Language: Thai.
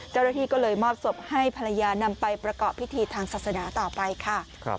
เจ้าหน้าที่ก็เลยมอบศพให้ภรรยานำไปประกอบพิธีทางศาสนาต่อไปค่ะ